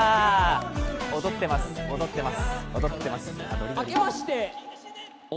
踊ってます、踊ってます。